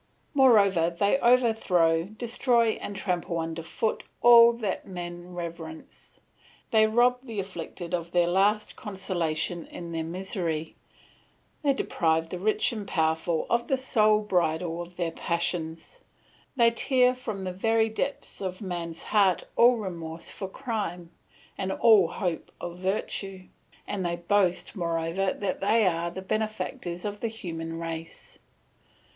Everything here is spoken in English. Moreover, they overthrow, destroy, and trample under foot all that men reverence; they rob the afflicted of their last consolation in their misery; they deprive the rich and powerful of the sole bridle of their passions; they tear from the very depths of man's heart all remorse for crime, and all hope of virtue; and they boast, moreover, that they are the benefactors of the human race.